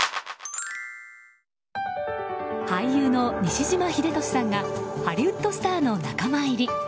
俳優の西島秀俊さんがハリウッドスターの仲間入り。